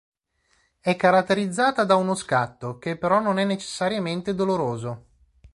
È caratterizzata da uno scatto che però non è necessariamente doloroso.